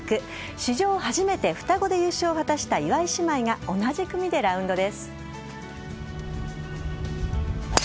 史上初めて双子で優勝を果たした岩井姉妹が同じ組でラウンドです。